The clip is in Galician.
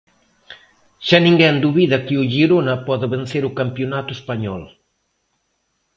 Xa ninguén dubida que o Girona pode vencer o campionato español